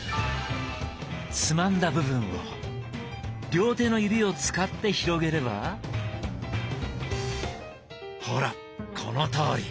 つまんだ部分を両手の指を使って広げればほらこのとおり！